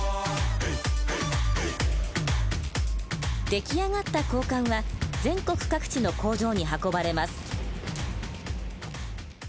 出来上がった鋼管は全国各地の工場に運ばれます。